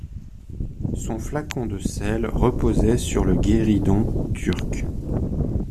Son flacon de sels reposait sur le guéridon turc.